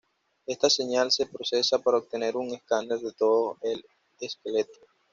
Esta señal se procesa para obtener un escáner de todo el esqueleto.